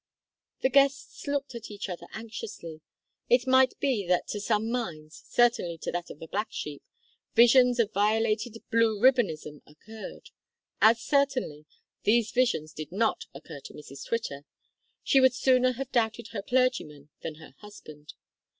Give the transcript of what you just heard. The guests looked at each other anxiously. It might be that to some minds certainly to that of the black sheep visions of violated blue ribbonism occurred. As certainly these visions did not occur to Mrs Twitter. She would sooner have doubted her clergyman than her husband.